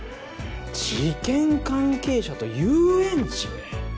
事件関係者と遊園地？